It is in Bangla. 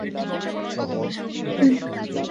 জেনিফার মানি ট্রান্সফার অফিসে আমাদের সাথে ছিল।